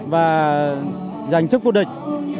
và giành sức quốc địch